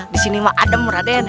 disini ada raden